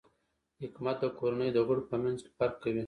حکمت د کورنۍ د غړو په منځ کې فرق کوي.